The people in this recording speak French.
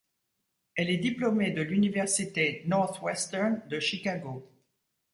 Elle est diplômée de l'université Northwestern de Chicago.